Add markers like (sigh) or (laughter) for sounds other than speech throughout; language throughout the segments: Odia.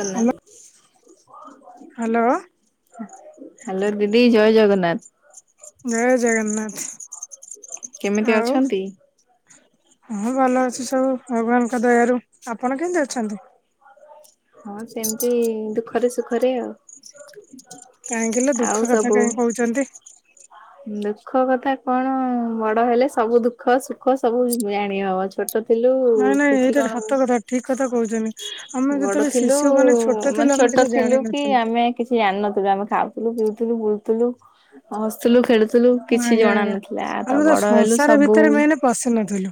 ହାଲୋ। ହ୍ୟାଲୋ ହ୍ୟାଲୋ ହାଲୋ ଦିଦି ଜୟ ଜଗନ୍ନାଥ। ଜୟ ଜଗନ୍ନାଥ। କେମିତି ଆଉ ଅଛନ୍ତି? ହଁ ଭଲ ଅଛି ସବୁ ଭଗବାନଙ୍କ ଦୟାରୁ। ଆପଣ କେମିତି ଅଛନ୍ତି? ହଁ ସେମିତି ଦୁଃଖରେ ସୁଖରେ ଆଉ। କାହିଁକି ଲୋ ଦୁଃଖ କଥା କାହିଁ କହୁଛନ୍ତି। ହଁ। ଦୁଃଖ କଥା କଣ ବଡ ହେଲେ ସବୁ ଦୁଃଖ ସୁଖ ସବୁ ଜାଣି ହବ ଅଛି। ଛୋଟ ଥିଲୁ କିଛି କଣ ଠିକ୍ କଥା କହୁଛନ୍ତି। ଆମେ ବଡ ଯେତେବେଳେ ଥିଲୁ ଶିଶୁ ମାନେ ଛୋଟ ଥିଲୁ ମାନେ ଆମେ ଛୋଟ କିଛି ଥିଲୁ କି ଜାଣିନଥିଲୁ ଆମେ କିଛି ଜାଣିନଥିଲୁ ଆମେ ଖାଉଥିଲୁ ପିଉଥିଲୁ ବୁଲୁଥିଲୁ। ହସୁଥିଲୁ ଖେଳୁଥିଲୁ କିଛି ଆଜ୍ଞା ଜଣ ଆଜ୍ଞା। ନଥିଲା ତ ଆମେ ବଡ ହେଲୁ ସଂସାର ସବୁ ଭିତରେ ମେନ ପଶି ନଥିଲୁ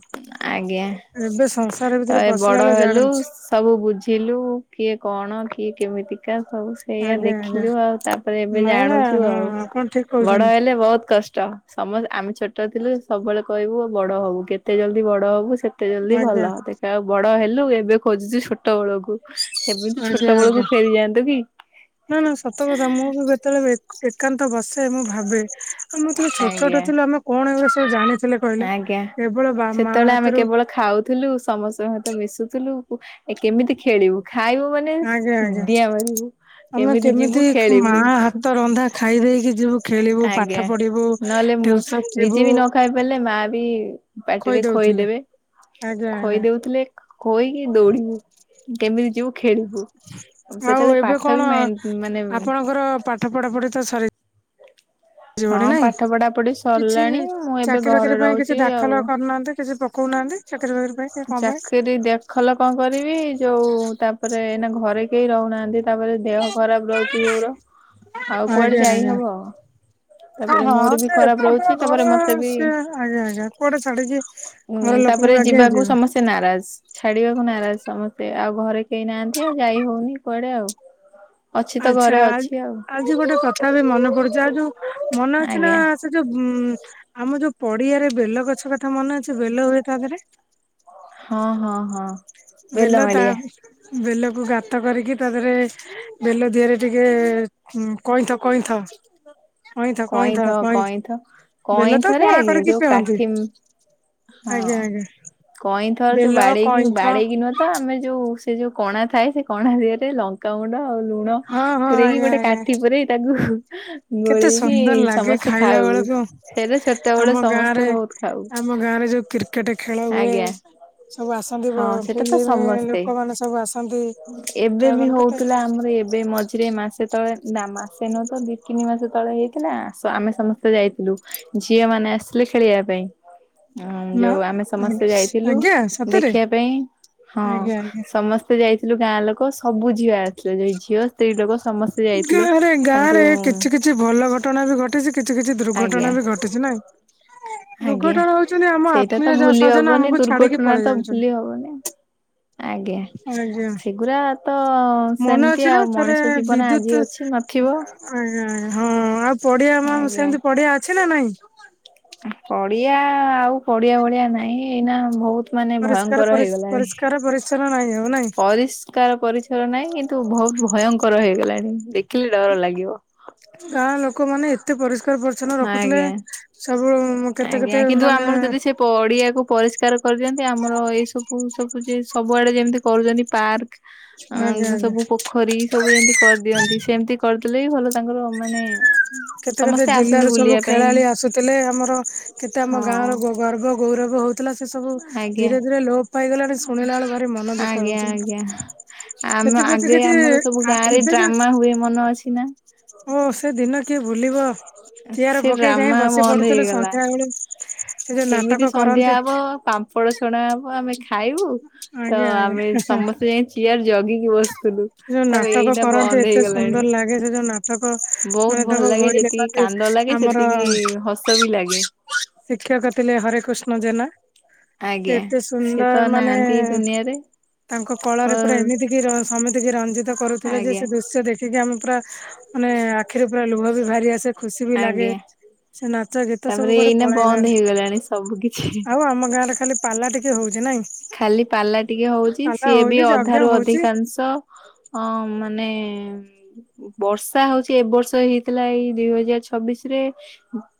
ଆଜ୍ଞା। ଏବେ ସଂସାର ଭିତରେ ତ ଏ ପଶିଲା ବଡ ବେଳେ ହେଲୁ। ଜାଣୁଛି। ସବୁ ବୁଝିଲୁ କିଏ କଣ କିଏ କେମିତିକା ସବୁ ଏଇଆ ଆଜ୍ଞା ଆଜ୍ଞା ଦେଖିଲୁ ଆଉ ତାପରେ ଏବେ ନାଇଁ ନାଇଁ ଜାଣୁଛୁ ହଁ ଆଉ ଆପଣ ଠିକ ବଡ କହୁଛନ୍ତି ହେଲେ ବୋହୁତ୍ କଷ୍ଟ। ସମସ୍ତେ ଆମେ ଛୋଟ ଥିଲୁ ସବୁବେଳେ କହିବୁ ବଡ ହବୁ କେତେ ଜଲ୍ଦି ବଡ ହବୁ ସେ ଏତେ ଜଲଦି ଭଲ ଆଜ୍ଞା ଦେଖିଲା ବେଳୁ ବଡ ହେଲୁ ଏବେ ଖୋଜୁଛୁ ଛୋଟ ବେଳକୁ ଏମିତି ଆଜ୍ଞା ଛୋଟ ଆଜ୍ଞା। ବେଳକୁ ଫେରିଯାଆନ୍ତୁ କି? ନା ନା ସତ କଥା ମୁଁ କେତବେଳେ ଏକାନ୍ତ ବସେ ମୁଁ ଭାବେ ଆମ ତ ଛୋଟ ଛୋଟ ଆଜ୍ଞା ଥିଲ ଆମେ କଣ ଏବେ ସେ ଜାଣୁ ଆଜ୍ଞା ସେତେବେଳେ ଆମେ ହାତରୁ କେବଳ ଖାଉ। ଥିଲୁ ସମସ୍ତେ ସତ ମିଶୁଥିଲୁ ଏ କେମିତି ଖେଳିବୁ ଖାଇବୁ ମାନେ ଆଜ୍ଞା ଆଜ୍ଞା (unintelligible) ଆମେ ଯିବୁ କେମିତି ମା ଖେଳିବୁ। ହାତ ରନ୍ଧା ଖାଇ ଦେଇେଇକି ଯିବୁ ଖେଳିବୁ ଆଜ୍ଞା ପାଠ ପଢିବୁ। ନହେଲେ ମୁଁ ଟିଉସନ ଯିବୁ ନିଜେ ବି ନ ଖାଇବ ବୋଇଲେ ମା ବି ପାଟିରେ ଖଇ କହିଦଉଥିଲେ ଦେବେ ଆଜ୍ଞା ଆଜ୍ଞା ଖଇଦଉଥିଲେ। ଖୋଇକି ଦୌଡିବି କେମିତି ଯିବୁ ଖେଳିବୁ ଆଉ ସେତେବେଳେ ଏବେ ପାଠ ବି କଣ ମାଇଣ୍ଡ ମାନେ ଆପଣଙ୍କର ପାଠ ପଢାପଢି ତ ସରି (unintelligible) ଜୀ ଭଣ (unintelligible) ହଁ ନାଇଁ ପାଠ ପଢା ପଢି କିଛି ସରିଲାଣି ମୁଁ ଏବେ ଚାକିରି ଘରେ ବାକିରି ପାଇଁ କିଛି ରହୁଛି ଆଉ ଦାଖଲ କରୁନାହାନ୍ତି। କିଛି ପକୋଉନାହାନ୍ତି? ଚାକେରି ବାକେରି ପାଇଁ? କି କଣ ପାଇଁ ଚାକିରି ଦେଖଲ କଣ କରିବି। ଯୋଉ ତାପରେ ଏଇନା ଘରେ କେହି ରହୁନାହାନ୍ତି। ତାପରେ ଦେହ ଖରାପ ରହୁଚି ବୋଉର। ଆଉ କୁଆଡେ ଯାଇ ହେବ। ହଁ ହଁ ସେ ଏକୁଟିଆ ତାପରେ ମତେ ଘରେ ବି ସେ, ଆଜ୍ଞା ଆଜ୍ଞା, କୁଆଡେ ଛାଡ଼ିକି ଯିବେ। ଉଁ ତାପରେ ଯିବାକୁ ସମସ୍ତେ ନାରାଜ। ଛାଡିବାକୁ ନାରାଜ ସମସ୍ତେ ଆଉ ଘରେ କେହି ନାହାନ୍ତି। ଆଉ ଯାଇ ହଉନି କୁଆଡେ ଆଉ। ଅଛି ତ ଘରେ ଆଚ୍ଛା ଆଜ ଅଛି ଆଉ ଆଜି ଗୋଟେ କଥା ବି ମନେ ପଡୁଚି। ଆଉ ଯୋଉ ମନେ ଅଛି ନା ଆଜ୍ଞା ସେ ଯୋଉ ଉଁ ଆମ ଯୋଉ ପଡିଆରେ ବେଲ ଗଛ କଥା ମନେ ଅଛି। ବେଲ ହୁଏ ତା ଦେହରେ। ହଁ ହଁ ହଁ। ବେଲ ତା ବେଲମାଳିଆ ବେଲକୁ ଗାତ କରିକି ତା ଦେହରେ ବେଲ ଦିହରେ ଟିକେ ଏ କଇଁଥ, କଇଁଥ। କଇଁଥ, କଇଁଥ, କଇଁଥ ବେଲ ତ କଇଁଥରେ ପଣା କରିକି ଯୋଉ ପିଅନ୍ତି। କାଠି ହଁ ଆଜ୍ଞା ଆଜ୍ଞା କଇଁଥ ର ଯୋଉ ବେଲ ବାଡେଇକି କଇଁଥ ବାଡେଇକି ନୁହଁ ତ ଆମେ ଯୋଉ ସେ ଯୋଉ କଣା ଥାଏ। ସେ କଣା ଦିହରେ ଲଙ୍କାଗୁଣ୍ଡ ଆଉ ଲୁଣ ହଁ ହଁ ପୂରେଇକି, ଆଜ୍ଞା ଗୋଟେ ଆଜ୍ଞା କାଠି ପୁରେଇ ତାକୁ କେତେ ଗୋଳେଇକି ସୁନ୍ଦର ଲାଗେ ସମସ୍ତେ ଖାଇଲା ଖାଉ। ବେଳକୁ ହେରେ ଛୋଟ ବେଳେ ଆମ ଗାଁ ସମସ୍ତେ ରେ ବହୁତ ଖାଉ। ଆମ ଗାଁ ରେ ଯୋଉ କ୍ରିକେଟ ଖେଳ ଆଜ୍ଞା। ହୁଏ-ଏ-ଏ। ସବୁ ଆସନ୍ତି ବ ହଁ ସେଟା ତ ଫିଲ୍ମି-ଇ-ଇ ସମସ୍ତେ ଲୋକମାନେ ସବୁ ଆସନ୍ତି ଏବେ ଆ ବି ମାନେ କେତେ ହଉଥିଲା ଆମର ଏବେ ମଝିରେ ମାସ୍ ଯେତେବେଳେ ଦା ମାସେ ନୁହଁ ତ ଦି, ତିନି ମାସ ତଳେ ହେଇଥିଲା ଆସ ଆମେ ସମସ୍ତେ ଯାଇଥିଲୁ। ଝିଅ ମାନେ ଆସିଥିଲେ ଖେଳିବା ପାଇଁ। ହଁ ନା ଯୋଉ ଆମେ ସମସ୍ତେ ଯାଇଥିଲୁ ଆଜ୍ଞା ସତରେ ଦେଖିବା ପାଇଁ ହଁ ଆଜ୍ଞା ଆଜ୍ଞା। ସମସ୍ ତେ ଯାଇଥିଲୁ ଗାଁ ଲୋକ ସବୁ ଝିଅ ଆସିଥିଲେ। ଯଉ ଝିଅ ସ୍ତ୍ରୀ ଲୋକ ସମସ୍ ଗା ରେ ଗାଁ ରେ କିଛି କିଛି କିଛି ଭଲ ଘଟଣା ବି ଘଟିଚି, କିଛି କିଛି ଆଜ୍ଞା ଦୁର୍ଘଟଣା ବି ଘଟିଚି ନାଇଁ? ଆଜ୍ଞା, ଦୁର୍ଘଟଣା ହଉଛନ୍ତି ଆମ ସେଇଟା ଆତ୍ମୀୟ ତ ଭୁଲି ସଜନ ହବନି। ଆମକୁ ଛାଡିକି ଦୁର୍ଘଟଣା ପଳେଇ ତ ଯାଉଛନ୍ତି ଭୁଲି ହବନି। ଆଜ୍ଞା, ଆଜ୍ଞା। ସେଗୁରା ତ-ଅ-ଅ ସେମିତି ଆଉ ମଣିଷ ଜୀବନ ତୁ ଆଜି ତୁ ଅଛି ନଥିବ। ଆ ଆଜ୍ଞା ଆଜ୍ଞା ହଁ ଆଉ ପଡିଆ ଆମମ୍ ଆଜ୍ଞା। ସେମିତି ପଡିଆ ଅଛି ନା ନାଇଁ? ପଡିଆ-ଆ-ଆ-ଆ ଆଉ ପଡିଆ ଭଳିଆ ନାହିଁ ଏଇନା ବହୁତ୍ ମାନେ ପରିଷ୍କାର ଭୟଙ୍କର ପରି ହେଇଗଲାଣି ପରିଷ୍କାର ପରିଚ୍ଛନ୍ନ ନାହିଁ ଆଉ ନାଇଁ ପରିଷ୍ କାର ପରିଛର ନାହିଁ କିନ୍ତୁ ବହୁତ ଭୟଙ୍କର ହେଇଗଲାଣି। ଦେଖିଲେ ଡର ଲାଗିବ। ଗାଁ ଲୋକମାନେ ଏ କେତେ ପରିଷ୍କାର ପରିଚ୍ଛନ୍ନ ରଖୁଥିଲେ। ଆଜ୍ଞା। ସବୁ-ଉ-ଉ-ଉ କେତେ କେତେ ମାନେ-ଏ-ଏ ପଡ଼ିଆକୁ ପରିଷ୍କାର କରିଦିଅନ୍ତି। ଆମର ଏଇସବୁ ସବୁ ଯେ ସବୁଆଡ଼େ ଯେମିତି କରୁଚନ୍ତି ପାର୍କ। ଆଜ୍ଞା ଅଂ ଆଜ୍ଞା ସବୁ ପୋ ଖରୀ ସବୁ ଏମିତି କରିଦିଅନ୍ତି। ସେମିତି କରିଦେଲେ ବି ଭଲ ତାଙ୍କର-ଅ-ଅ ମାନେ କେତେ କେତେ ସମସ୍ତେ ଆସନ୍ତି ଜିଲ୍ଲାର ସବୁ ବୁଲିବା ପାଇଁ ଖେଳାଳି ଆସୁଥିଲେ। ଆମର କେତେ ଆମ ଗାଁ ହଁ ର ଗ ଗର୍ବ ଗୌରବ ହଉଥିଲା। ସେ ସବୁ ଆଜ୍ଞା ଧୀରେ ଧୀରେ ଲୋପ ପାଇଗଲାଣି ଶୁଣିଲା ବେଳୁ ଭାରି ମନ ଦୁଃଖ ଆଜ୍ଞା ହଉଚି। ଆଜ୍ଞା। ଆମ ସେଥିପ୍ରତି ଆଗେ ଆମର କିଛି-ଇ-ଇ-ଇ ସବୁ ଗାଁ ରେ ଡ୍ରାମା ହୁଏ ମନେ ଅଛି ନା? ଓ ସେ ଦିନ କିଏ ଭୁଲିବ। ଚେଆର ସେ ପକେଇ ଡ୍ରାମା ଯାଇ ବସି ବନ୍ଦ ପଡୁଥିଲୁ ହେଇଗଲା। ସନ୍ଧ୍ୟା ବେଳେ। ସେ ଯୋଉ ନାଟକ କରନ୍ତି। ଫଳ ଶୁଣା ହେବ ଆମେ ଖାଇବୁ। ତ ଆଜ୍ଞା ଆମେ ଆଜ୍ଞା ସମସ୍ତେ ଯାଇ ଚେୟାର ଜଗିକି ବସି ଯୋଉ ନାଟକ କରନ୍ତିୁ ଏତେ ସୁନ୍ଦର ଲାଗେ। ସେ ଯୋଉ ନାଟକ ବହୁତ ମାନେ ଭଲ ତାଙ୍କ ଲାଗେ ବହି ଲେଖା ଯେତିକି କାନ୍ଦ ଲାଗେ ସେତିକି ହସ ଆମର-ଅ-ଅ-ଅ ବି ଲାଗେ। ଶିକ୍ଷକ ଥିଲେ ହରେ କୃଷ୍ଣ ଜେନା। ଆଜ୍ଞା ସେ ଏତେ ସେ ତ ସୁନ୍ଦର ନାହାନ୍ତି ଏ ମାନେ-ଏ-ଏ-ଏ ଦୁନିଆରେ ତାଙ୍କ ଓ କଳରେ ପୁରା ଏମିତି କି ର ସମିତିକ ରଞ୍ଜିତ କରୁଥିଲେ ଯେ ଆଜ୍ଞା ସେ ଦୃଶ୍ୟ ଦେଖିକି ଆମେ ପୁରା ମାନେ-ଏ-ଏ ଆଖିରେ ପୁରା ଲୁହ ବି ବାହାରି ଆସେ ଖୁସି ବି ଲାଗେ। ଆଜ୍ଞା ସେ ନାଚ ଗୀତ ତାପରେ ସବୁ କୁଆଡେ ସବୁ ଏଇନା ବନ୍ଦ ପଳେଇଲାଣି ହେଇଗଲାଣି ସବୁ କିଛି। ଆଉ ଆମ ଗାଁରେ ଖାଲି ପାଲା ଟିକେ ହଉଛି ନାଇଁ? ଖାଲି ପାଲା ଟିକେ ହଉଚି ପାଲା ସିଏ ବି ହଉଛି ଯଜ୍ଞ ଅଧାରୁୁ ହଉଛି ଅଧିକାଂଶ ଅ ମାନେ-ଏ-ଏ-ଏ ବର୍ଷା ହଉଛି ଏବ ବର୍ଷ ହେଇଥିଲା ଏଇ ଦୁଇ ହଜାର ଛବିଶ ରେ।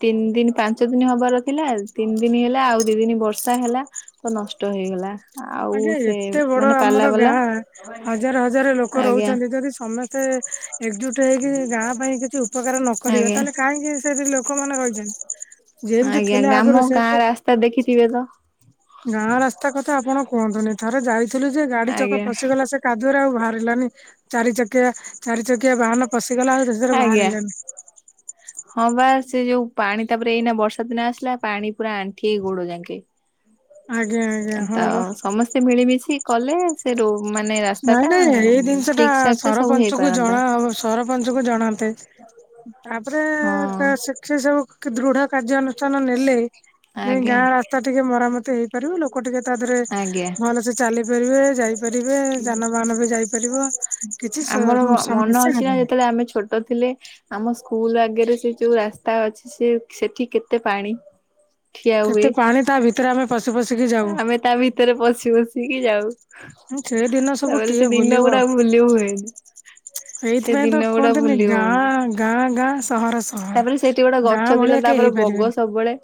ତିନି ଦିନ ପାଞ୍ଚ ଦିନ ହବାର ଥିଲା ତିନି ଦିନ ହେଲା ଆଉ ଦି ଦିନ ବର୍ଷା ହେଲା। ତ ନଷ୍ଟ ହେଇଗଲା। ଆଉ ଆଗେ ସେ ଏତେ ବଡ ମାନେ ପାଲା ଆମର ବାଲା ଗାଁ-ଆ-ଆ ହଜାର ହଜାର ଲୋକ ଆଜ୍ଞା ରହୁଛନ୍ତି ଯଦି ସମସ୍ତେ ଏକଜୁଟ ହେଇକି ଗାଁ ପାଇଁ କିଛି ଉ ଉପକାର ନ କରିବା, ଆଜ୍ଞା ତାହେଲେ କାହିଁକି ସେଠି ଲୋକମାନେ ରହିଚନ୍ତି? ଯେମିତି ଆଜ୍ଞା ଥିଲେ ଗ୍ରାମ ଆଗରୁ, ଗାଁ ସେମତି ରାସ୍ତା ଦେଖିଥିବେ ତ ଗାଁ ରାସ୍ତା କଥା ଆପଣ କୁହନ୍ତୁନି ଥରେ ଯାଇଥିଲୁ ଯେ ଗାଡି ଚକ ଆଜ୍ଞା ପଶିଗଲା ସେ କାଦୁଅରେ ଆଉ ବାହାରିଲାନି, ଚାରି ଚକିଆ, ଚାରି ଚକିଆ ବାହାନ ପଶିଗଲା ଆଉ ଶେଷରେ ଆଜ୍ଞା ବାହାରିଲାନି। (unintelligible) ହଁ ପା, ସେ ଯୋଉ ପାଣି ତାପରେ ଏଇନା ବର୍ଷା ଦିନ ଆସିଲା, ପାଣି ପୁରା ଆଣ୍ଠିଏ, ଇ ଗୋଡ ଯାଙ୍କେ। ଆଜ୍ଞା ଆଜ୍ଞା ହଁ ତ ବା ସମସ୍ତେ ମିଳିମିଶି କଲେ ସେ ରୋ ମାନେ, ରାସ୍ତା ନାଇଁ ଟା ନାଇଁ ଏଇ ଜିନିଷ ଟା ଠିକ୍ ଠାକ୍ ରେ ସବୁ ସରପଞ୍ଚ କୁ ହେଇପାରନ୍ତା? ଜଣା ସରପଞ୍ଚ କୁ ଜଣାନ୍ତେ, ତାପରେ ହଁ ସେଠି ସବୁ କି ଦୃଢ କାର୍ଯ୍ୟାନୁଷ୍ (unintelligible) ନେଲେ, ଯାଇଁ ଆଜ୍ଞା ଗାଁ ରାସ୍ତା ଟିକେ ମରାମତି ହେଇପାରିବ, ଲୋକ ଟିକେ ତା ଦେହରେ ଆଜ୍ଞା ଭଲସେ ଚାଲିପାରିବେ, ଯାଇପାରିବେ। ଯାନବାହାନ ବି ଯାଇପାରିବ, କିଛି ସ ଆମର ମନ ସମସ୍ୟା ଅଛି ନା ହବନି। ଯେତେବେଳେ ଆମେ ଛୋଟ୍ ଟ ଥିଲେ ଆମ ସ୍କୁଲ୍ ଆଗରେ ସେ ଯୋଉ ରାସ୍ତା ଅଛି, ସେ ସେଠି କେତେ ପାଣି? ଠିଆ ହୁଏ କେତେ ପାଣି, ତା ଭିତରେ ଆମେ ପଶି ପଶିକି ଯାଉ। ଆମେ ତା ଭିତରେ ପଶି ପଶିକି ଯାଉ। ସେ ଦିନ ସବୁ ତାପରେ ସେ ଦିନ ଗୁଡା ଭୁଲି ହୁଏନି। ସେ ହେଇଥିପାଇଁ ତ ଦିନ ଗୁଡା କୁହନ୍ତିନି, ଭୁଲି ହଉନି। ଗାଁ ଗାଁ ଗାଁ, ସହର ସହର। ତାପରେ ସେଇଠି ଗୋଟେ ଗାଁ ଗଛ ଥିଲା, ଭଳିଆ କେହି ତାପରେ ବଗ ହେଇପାରିବେନି ସବୁବେଳେ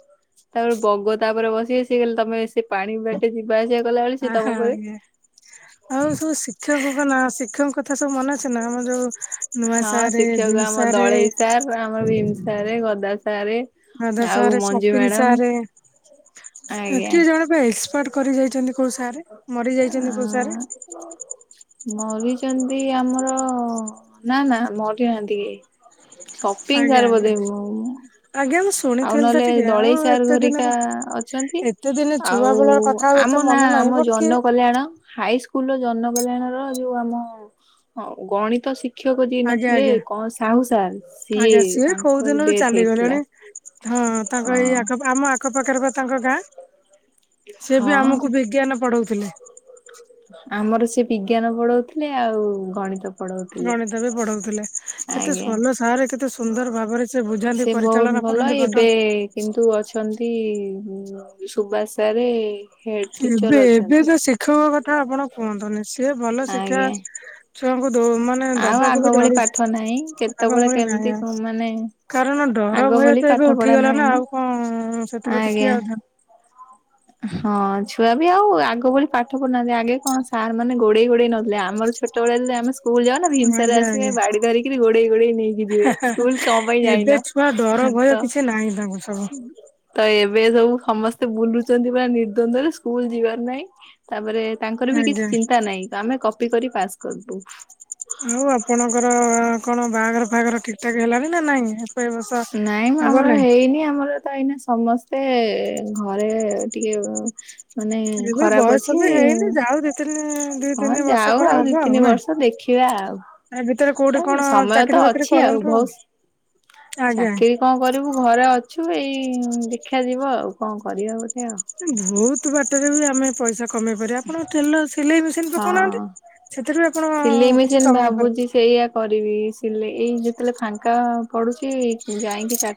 ତାପରେ ବଗ ତାପରେ ବସିବେ, ସେ ଖାଲି ତମେ ସେ ପାଣି ବାଟ୍ ସେ ଯିବାଆସିବା କଲାବେଳେ ସିଏ ହ ତମ ହଁ ଉପରେ ଆଜ୍ଞା, ଆଉ ସବୁ ଶିକ୍ଷକଙ୍କ ନାଁ, ଶିକ୍ଷକଙ୍କ କଥା ସବୁ ମନେ ଅଛି ନା? ଆମର ଯୋଉ ନୂଆ ସାରେ, ଭିମ୍ ସାରେ ଯଉ ଆମର ଭୀମସାରେ, ଗଦାସାରେ ଗଦା ସାରେ, ସପିଙ୍ଗ୍ ସାରେ, ଆଜ୍ଞା। କିଏ ଜଣେ (unintelligible) ଏକ୍ସପର୍ଟ କରି ଯାଇଚନ୍ତି କୋଉ ସାରେ, ମରି ଯାଇଚନ୍ତି କୋଉ ସାରେ? (unintelligible) ମରିଚନ୍ତି ଆମର, ନା ନା ମରିନାହାନ୍ତି କେହି। ଶପିଂ ଆଜ୍ଞା ସାର୍ ଆଜ୍ଞା ବୋଧେ (unintelligible) ଆଜ୍ଞା ମୁଁ ଆଉ ଶୁଣିଥିଲି ତ ନହେଲେ ଟିକେ ଆଉ ଦଳେଇ ସାର୍ ଏତେ ଘରିକା ଦିନର ଅଛନ୍ତି ଏତେ ଦିନ ଛୁଆ ଆଉ ବେଳର କଥା ଆଉ ଆମ ଏତେ ନା, ମନେ ନାହିଁ ଆମ ବଟ କିଏ ଜନ କଲ୍ୟାଣ ହାଇ ସ୍କୁଲର ଜନ କଲ୍ୟାଣ ର ଯୋଉ ଆମ ଗଣିତ ଶିକ୍ଷ୍ ଶିକ୍ଷକ ଯିଏ ଆଜ୍ଞା ନଥିଲେ? ଆଜ୍ଞା କଣ ସାହୁ ସାର୍, ସିଏ, ଆଜ୍ଞା କୋଉ ତାଙ୍କର ଦିନରୁ ଡେଥ୍ ଚାଲିଗଲେଣି ହେଇଥିଲା। ହଁ ତାଙ୍କ ହଁ। ଏଇ ଆଖ ପା, ଆମ ଆଖପାଖରେ ପା ତାଙ୍କ ଗାଁ। ସେ ବି ହଁ ଆମକୁ ବିଜ୍ଞାନ ପଢଉଥିଲେ। ଆମର ସେ ବିଜ୍ଞାନ ପଢଉଥିଲେ, ଆଉ ଗଣିତ ପଢଉଥିଲେ। ଗଣିତ ବି ପଢଉଥିଲେ, କେତେ ଆଜ୍ଞା। ଭଲ ସାରେ, କେତେ ସୁନ୍ଦର ଭାବରେ ସେ ବୁଝାନ୍ତି, ବହୁତ ପରିଚାଳନା ଭଲ କରନ୍ତି, ବଟ୍ ଏବେ କିନ୍ତୁ ଅଛନ୍ତି ଉମ୍ ସୁବାସ ସାରେ ହେଡ ଟିଚର ଏବେ ଏବେ ଅଛନ୍ତି ଯଉ ଶିକ୍ଷକ କଥା ଆପଣ କୁହନ୍ତୁନି, ସିଏ ଭଲ ଶିକ୍ଷା ଆଜ୍ଞା। ଛୁଆଙ୍କୁ ଦୋ ମାନେ ଆଉ ଦବାକୁ ଆଗ ବି ଭଳି ପାଠ ଡରୁଚନ୍ତି, ନାହିଁ ଆଗ କେତେବେଳେ ଭଳି ନାଇଁ କେମିତି ଆଉ। ମାନେ କାରଣ ଡର ଆଗ ଭୟ ଭଳି ତ ପାଠ ଏବେ ପଢା ଉଠିଗଲା ନାହିଁ ନା, ଆଉ କଣ, ସେଥିପ୍ରତି କିଏ ଆଜ୍ଞା ଆଉ ଧ୍ଯାନ ହଁ ଛୁଆ ବି ଆଉ ଆଗ ଭଳି ପାଠ ପଢୁନାହାନ୍ତି, ଆଗେ କଣ ସାର୍ ମାନେ ଗୋଡେଇ ଗୋଡେଇ ନଉଥିଲେ, ଆମର ଛୋଟ ବେଳେ ହେଲେ ଆମେସ୍ ସ୍କୁଲ ଯାଉ ନା ଧ୍ୟାନ ଭିମସାରେ ଆଜ୍ଞା ଆସିବେ ଆଜ୍ଞା ବାଡି ଧରିକିରି ଗୋଡେଇ ଗୋଡେଇ ନେଇକି ଯିବେ, ସ୍କୁଲ ସଁ ପାଇଁ ଏବେ ଯାଇନ। ଛୁଆ ଡ଼ର ତ ଭୟ କିଛି ନାହିଁ ତାଙ୍କୁ ସବୁ। ତ ଏବେ ସବୁ ସମସ୍ତେ ବୁଲୁଚନ୍ତି ପରା ନିର୍ଦ୍ଦ୍ୱନ୍ଦରେ ସ୍କୁଲ ଯିବାର ନାହିଁ, ତାପରେ ତାଙ୍କର ବି କିଛି ଆଜ୍ଞା ଚିନ୍ତା ନାହିଁ ଆମେ କପି କରି ପାସ୍ କରିଦବୁ। ଆଉ ଆପଣଙ୍କର କଣ ବାହାଘର ଫାହାଘର ଠିକ ଠାକ ହେଲାଣିି ନା ନାଇଁ ଏପାଇ ଏବସ ନାଇଁ ମ ଆମର ହେଇନି ଆମର ତ ଏଇନା ସମସ୍ତେ ଘରେ ଟିକେ ମାନେ ଏବେ ଖରାପ ବୟସ ଅଛି, ବି ହେଇନି ଯାଉ ଦି ତିନି ଦି ହଁ ତିନି ବର୍ଷ ଯାଉ ଆଉ ଦି ତିନି ବର୍ଷ ଦେଖି ଦେଖିବା ଆଉ। ଏ ଭିତରେ କୋ ଆଉ ସମୟ ତ ଅଛି ଆଉ ବହୁତ, ଆଜ୍ଞା ଚାକିରୀ କଣ କରିବୁ ଘରେ ଅଛୁ ଏଇ ଦେଖା ଯିବ ଆଉ କଣ କରିଆ ଗୋଟେ ଆଉ। ଭଉତ ବାଟରେ ବି ଆମେ ପଇସା କମେଇ ପାରିବେ ଆପଣ ଟ୍ରେଲର ସିଲେଇ ମେସିନ ପକଉନାହାନ୍ତି ହଁ। ସେଥିରୁ ଆପଣ ସିଲେଇ କିଛି ମେସିନ୍ କମେଇ ଭାବୁଛି ପାରିବେ। ସେଇଆ କରିବି ସିଲେଇ ଏଇ ଯେତେବେଳେ ଫାଙ୍କା ପଡୁଚି ଯାଇଁକି ଚା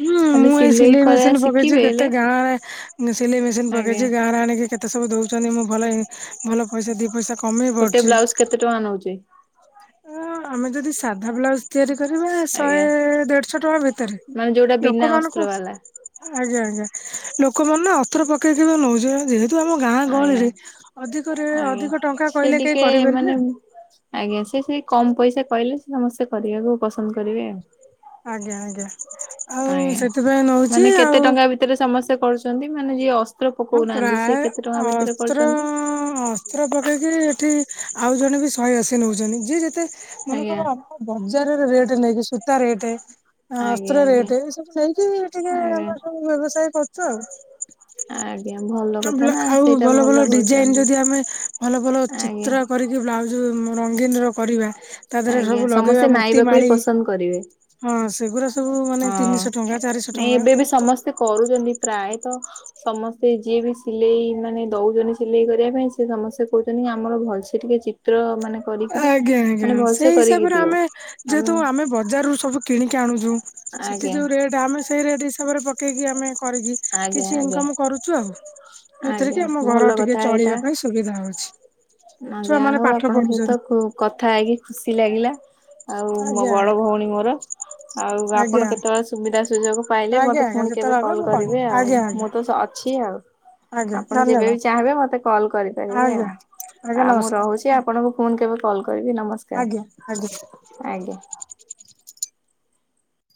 ହୁଁ ମୁଁ ଏଇ ସିଲେଇ ମେସିନ ପକେଇଚି ଶିଖିବି ହେଲେ କେତେ ଗାଁରେ ସିଲେଇ ମେସିନ ଆଜ୍ଞା ପକେଇଚି ଗାଁରେ ଆଣିକି କେତେ ଏତେ ସବୁ ଦଉଚନ୍ତି ମୁଁ ଭଲ ଭଲ ପଇସା ଦି ପଇସା କମେଇ ପରୁଚି। ଏତେ ଟଙ୍କା ନେଉଚି। ଆ ଆମେ ଯଦି ସାଧା ବ୍ଲାଉଜ ତିଆରି କରିବା ଶହେ ଆଜ୍ଞା। ଦେଢଶହ ଟଙ୍କା ଭିତରେ, ମାନେ ଯୋଉଟା ବିନା ଅସ୍ତ୍ର ଲୋକମାନଙ୍କୁ ବାଲା ଆଜ୍ଞା ଆଜ୍ଞା ଲୋକମାନେ ନା ଅସ୍ତ୍ର ପକେଇକିନା ନଉସନ୍ତି ଯେ କିନ୍ତୁ ଆମ ଗାଁ ଆଜ୍ଞା ଗହଳିରେ ଅଧିକରେ ଆଜ୍ଞା ଅଧିକ ଟଙ୍କା ସେ କହିଲେ କେହି ଟିକେ କରିବେନି ନା। ମାନେ ଆଜ୍ଞା ସେଇଥିପାଇଁ କମ ପଇସା କହିଲେ ସେ ସମସ୍ତେ କରିଆକୁ ପସନ୍ଦ କରିବେ ଆଉ। ଆଜ୍ଞା ଆଜ୍ଞା, ଆଉ ସେଥିପାଇଁ ନଉଚି ଆଉ ତିରେ ସମସ୍ତେ କରୁଚନ୍ତି ମାନେ ଯିଏ ଅ ହଁ ପ୍ରାୟ, ଅସ୍ତ୍ର କରୁଛନ୍ତି? ଅ ଅ ଅସ୍ତ୍ର ପକେଇକି ଏଠି, ଆଉ ଜଣେ ବି ଶହେ ଅସି ନଉଚନ୍ତି ଯିଏ ଯେତେ ଆଜ୍ଞା ମନେକର ବଜାରରେ ରେଟ୍ ନେଇକି, ସୂତା ରେଟ୍ ଆଁ ଆଜ୍ଞା ଅସ୍ତ୍ର ଆଜ୍ଞା ରେଟ୍ ଏ ସବୁ ନେଇକି ଟିକେ ଆଜ୍ଞା। ଆମର ସବୁ ବ୍ୟବସାୟ କରୁଚୁ ଆଉ। ଆଜ୍ଞା ଭଲ ଆଉ କଥା ବ୍ଲା, ନା ଆଉ ସେଇଟା ଭଲ ଭଲ ଡିଜାଇନ କରୁଛନ୍ତି ଯଦି ଆମେ ଭଲ ଭଲ ଆଜ୍ଞା। ଚିତ୍ର କରିକି ବ୍ଲାଉଜ ଉଁ ରଙ୍ଗୀନ ର କରିବା ତା ଦେହରେ ଆଜ୍ଞା ସବୁ ସମସ୍ତେ ଲଗେଇବା ମୋତି ନାଇବାକୁ ବି ମାଳି ପସନ୍ଦ କରିବେ। ହଁ ସେଗୁରା ସବୁ ମାନେ ତିନିଶହ ଟଙ୍କା, ଚାରିଶହ ଟଙ୍କା ଏମତି। କରୁଚନ୍ତି, ପ୍ରାୟତ ସମସ୍ତେ ଯିଏ ବି ସିଲେଇ ମାନେ ଦଉଚନ୍ତି ସିଲେଇ କରିଆ ପାଇଁ ସେ ସମସ୍ତେ କହୁଚନ୍ତି କି ଆମର ଭଲସେ ଟିକେ ଚି ତ୍ର ମାନେ କରିକିରି ଆଜ୍ଞା ଆଜ୍ଞା, ମାନେ ଭଲସେ ସେଇ କରିକି ହିସାବରେ ଦିଅ ଆମେ ଆମ ଯେହେତୁ ଆମେ ବଜାରରୁ ସବୁ କିଣିକି ଆଣୁଚୁ, ସେଠି ଆଜ୍ଞା ଯଉ ରେଟ ଆମେ ସେଇ ରେଟ୍ ହିସାବରେ ପକେଇକି ଆମେ କରିକି ଆଜ୍ଞା କିଛି ଆଜ୍ଞା। ଇନକମ କରୁଚୁ ଆଉ ଯୋଉଥିରେ ଆଜ୍ଞା କି ଆମ ଭଲ ଘର ଟିକେ କଥା ଚଳିବା ପାଇଁ ସୁବିଧା ହଉଛି। ଆ ଛୁଆ ଯାହା ମାନେ ହଉ ପାଠ ଆପଣଙ୍କ ସହିତ ପଢୁଛନ୍ତି କଥା ହେଇକି ଖୁସି ଲାଗିଲା। ଆଉ ମୋ ଆଜ୍ଞା ଆଜ୍ଞା। ବଡ ଭଉଣୀ ମୋର। ଆଉ ଆପଣ ଆଜ୍ଞା କେତେବେଳେ ସୁବିଧା ସୁଯୋଗ ପାଇଲେ ଆଜ୍ଞା ମତେ ଆଜ୍ଞା ପୁଣି କେବେ ଯେତେବେଳେ ହବ କଲ ମୁଁ କରିବି କରିବେ ଆଉ ଆଜ୍ଞା ଆଜ୍ଞା ମୁଁ ତ ସ ଅଛି ଆଉ, ଆଜ୍ଞା ଆପଣ ଧନ୍ୟବାଦ ଯେବେ ବି ଚାହିଁବେ ମତେ କଲ୍ କରିପାରିବେ ଆଜ୍ଞା। ଆଉ। ଆଜ୍ଞା ଆଉ ମୁଁ ନମସ୍କାର ରହୁଛି ଆପଣଙ୍କୁ ଫୋନ୍ କେବେ କଲ୍ କରିବି, ନମସ ଆଜ୍ଞା ଆଜ୍ଞା।